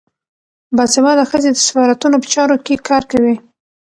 باسواده ښځې د سفارتونو په چارو کې کار کوي.